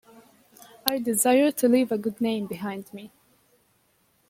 I desire to leave a good name behind me.